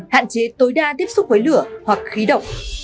ba hạn chế tối đa tiếp xúc với lửa hoặc khí động